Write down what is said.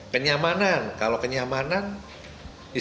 kenyamanan kalau kenyamanan disebutnya